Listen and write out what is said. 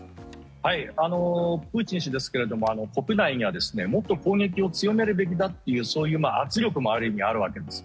プーチン氏ですが国内にはもっと攻撃を強めるべきだというそういう圧力もある意味あるわけですね。